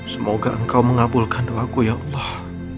semoga engkau mengabulkan doaku ya allah